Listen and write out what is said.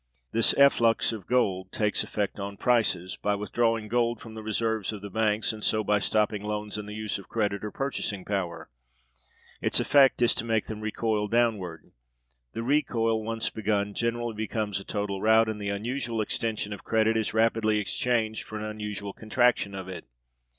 This efflux of gold takes effect on prices [by withdrawing gold from the reserves of the banks, and so by stopping loans and the use of credit, or purchasing power]: its effect is to make them recoil downward. The recoil once begun, generally becomes a total rout, and the unusual extension of credit is rapidly exchanged for an unusual contraction of it.